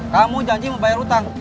kamu janji mau bayar utang